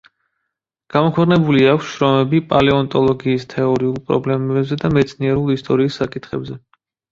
გამოქვეყნებული აქვს შრომები პალეონტოლოგიის თეორიულ პრობლემებზე და მეცნიერულ ისტორიის საკითხებზე.